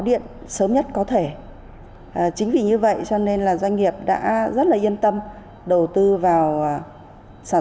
điện sớm nhất có thể chính vì như vậy cho nên là doanh nghiệp đã rất là yên tâm đầu tư vào sản